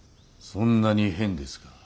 そんなに変ですか。